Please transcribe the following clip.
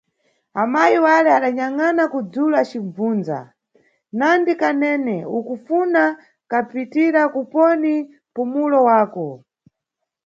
Amayi wale adanyang?ana kudzulu acim? bvundza: Nandi Kanene, ukufuna kapitira kuponi mpumulo wako?